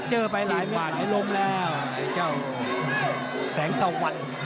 เจอไปหลายล้มแล้วแสงตะวัน